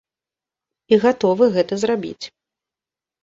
І гатовы гэта зрабіць.